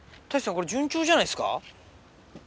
これ順調じゃないですか？